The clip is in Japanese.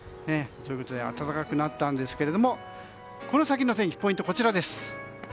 ということで暖かくなったんですけどもこの先の天気のポイントです。